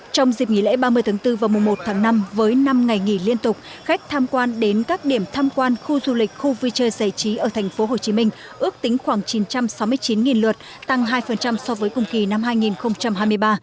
trong dịp nghỉ lễ ba mươi tháng bốn và mùa một tháng năm với năm ngày nghỉ liên tục khách tham quan đến các điểm tham quan khu du lịch khu vui chơi giải trí ở tp hcm ước tính khoảng chín trăm sáu mươi chín lượt tăng hai so với cùng kỳ năm hai nghìn hai mươi ba